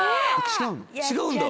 違う？